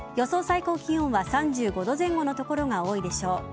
最高気温は３５度前後の所が多いでしょう。